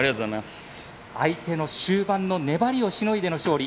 相手の終盤の粘りをしのいでの勝利